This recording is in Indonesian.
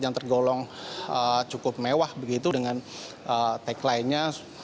yang tergolong cukup mewah begitu dengan tagline nya